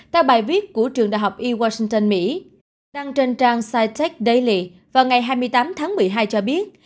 theo bài viết của trường đại học e washington mỹ đăng trên trang scitech daily vào ngày hai mươi tám tháng một mươi hai cho biết